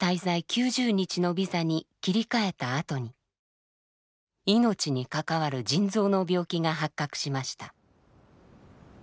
９０日のビザに切り替えたあとに命に関わる腎臓の病気が発覚しました。